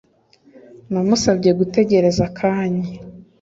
Namusabye gutegereza akanya